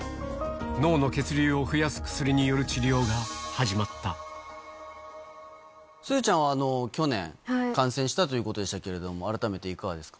脳の血流を増やす薬による治療がすずちゃんは、去年、感染したということでしたけれども、改めていかがですか？